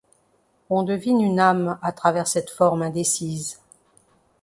On devine une âme à travers cette forme indécise.